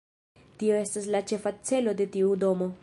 Tio estas la ĉefa celo de tiu domo.